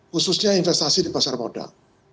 khususnya investasi di pasar modal